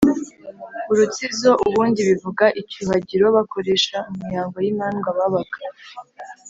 urutsizo: ubundi bivuga icyuhagiro bakoresha mu mihango y’imandwa babaga